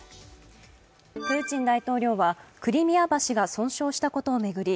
プーチン大統領はクリミア橋が損傷したことを巡り